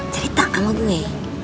cerita sama gue